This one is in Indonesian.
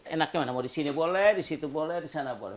enaknya mana mau di sini boleh di situ boleh di sana boleh